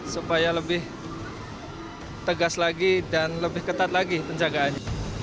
supaya lebih tegas lagi dan lebih ketat lagi penjagaannya